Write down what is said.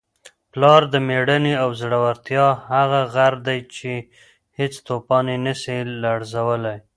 پلار د مېړانې او زړورتیا هغه غر دی چي هیڅ توپان یې نسي لړزولی.